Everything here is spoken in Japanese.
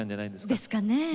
ですかね。